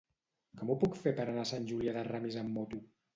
Com ho puc fer per anar a Sant Julià de Ramis amb moto?